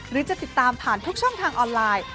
หรือจะติดตามผ่านทุกช่องทางออนไลน์